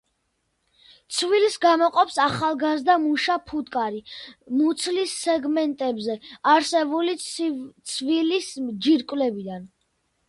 ცვილს გამოყოფს ახალგაზრდა მუშა ფუტკარი მუცლის სეგმენტებზე არსებული ცვილის ჯირკვლებიდან.